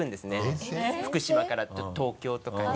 福島から東京とかに。